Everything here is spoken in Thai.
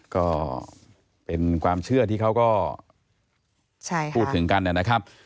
ก็เป็นความเชื่อที่เขาก็ใช่ค่ะพูดถึงกันเนี้ยนะครับ